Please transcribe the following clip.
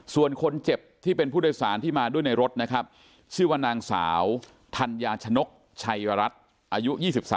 ส่วนคนเจ็บที่เป็นผู้โดยสารที่มาด้วยในรถนะครับชื่อว่านางสาวธัญญาชนกชัยวรัฐอายุ๒๓